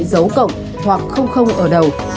dấu cộng hoặc ở đầu